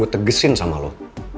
karena gue tekesin sama lo